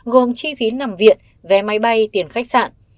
gồm chi phí nằm viện vé máy bay tiền khách sạn